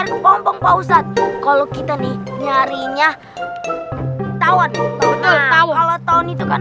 ingin memperbaiki dengan mudah yaa